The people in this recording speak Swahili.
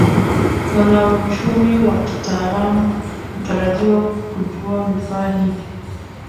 Wanauchumi wa kitaalamu hutarajiwa kujua vifaa hivi